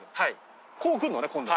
こう来るのね今度。